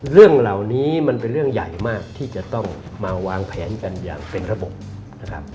เรื่องเหล่านี้มันเป็นเรื่องใหญ่มากที่จะต้องมาวางแผนกันอย่างเป็นระบบนะครับ